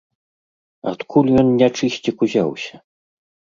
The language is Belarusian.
Адкуль ён, нячысцік, узяўся?